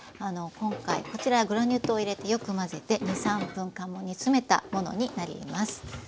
今回こちらグラニュー糖を入れてよく混ぜて２３分間煮詰めたものになります。